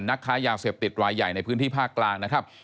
นักค้ายาเสพติดรายใหญ่ในพื้นที่ภาคกลางนะครับ